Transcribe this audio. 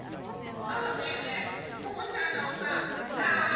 ねえねえともちゃんのおうたたのしい！